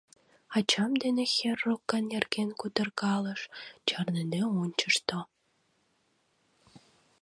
Ачам дене Херукка нерген кутыркалыш, чарныде ончышто.